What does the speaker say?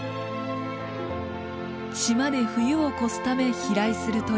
島で冬を越すため飛来する鳥。